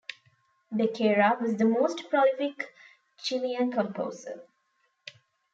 Becerra was the most prolific Chilean composer.